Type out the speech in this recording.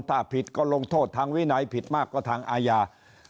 ถ้าผิดก็ลงโทษทางวินัยผิดมากก็ทางอาญา